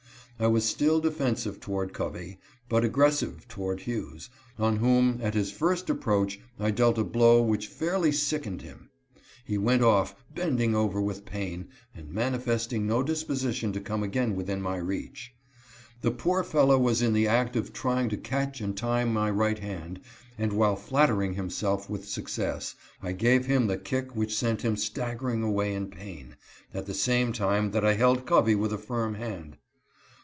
I was still defensive toward Covey, but aggressive toward Hughes, on whom, at his first approach, I dealt a blow which fairly sickened him. He went off, bending over with pain, and manifesting no disposition to come again within my reach. The poor fellow was in the act of trying to catch and tie my right hand, and while flat tering himself with success, I gave him the kick which sent him staggering away in pain, at the same time that I held Covey with a firm hand.